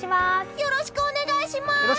よろしくお願いします！